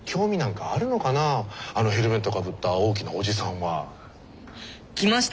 あのヘルメットかぶった大きなおじさんは。来ました